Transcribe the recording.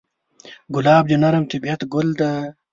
ګلاب د نرم طبعیت ګل دی.